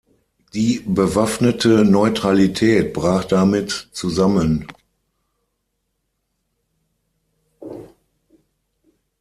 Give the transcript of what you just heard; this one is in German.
Die bewaffnete Neutralität brach damit zusammen.